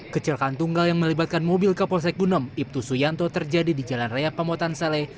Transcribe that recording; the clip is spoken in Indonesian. kecilkan tunggal yang melibatkan mobil kapolsek gunom ibtusuyanto terjadi di jalan raya pamotan saleh